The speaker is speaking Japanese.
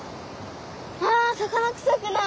あ魚くさくない！